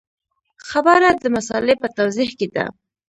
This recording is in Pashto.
خبره د مسألې په توضیح کې ده.